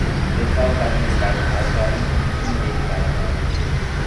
Deshalb bleiben wir bei den Aussagen in unserem Redebeitrag.